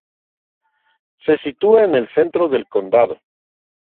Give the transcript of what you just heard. Se sitúa en el centro del condado.